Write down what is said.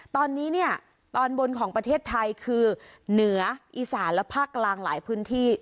ตอนนี้เนี่ยตอนบนของประเทศไทยคือเหนืออีสานและภาคกลางหลายพื้นที่